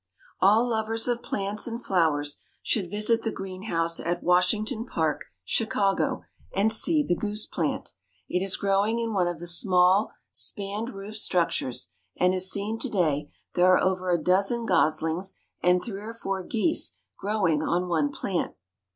All lovers of plants and flowers should visit the greenhouse at Washington Park, Chicago, and see the goose plant. It is growing in one of the small span roofed structures, and as seen to day there are over a dozen goslings and three or four geese growing on one plant.